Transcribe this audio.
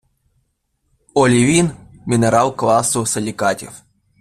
Олівін – мінерал класу силікатів.